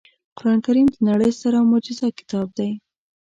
قرانکریم د نړۍ ستر او معجز کتاب دی